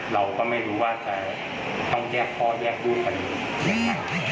เราก็ไม่รู้ว่าจะต้องแยกพ่อแยกลูกกันอีก